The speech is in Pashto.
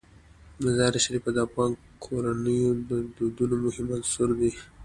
مزارشریف د افغان کورنیو د دودونو مهم عنصر دی.